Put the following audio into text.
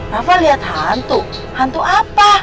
rafa liat hantu hantu apa